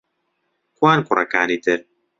کوان کوڕەکانی تر؟